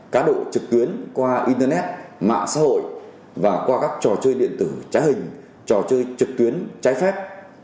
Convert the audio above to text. cá độ trực tuyến qua internet mạng xã hội và qua các trò chơi điện tử trái hình trò chơi trực tuyến trái phép